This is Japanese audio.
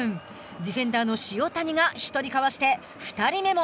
ディフェンダーの塩谷が１人かわして、２人目も。